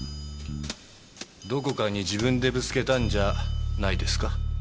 どこかに自分でぶつけたんじゃないですか？